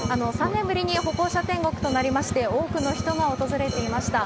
３年ぶりに歩行者天国となりまして、多くの人が訪れていました。